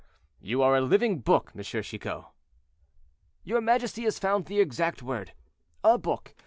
"You are a living book, M. Chicot." "Your majesty has found the exact word—'a book.'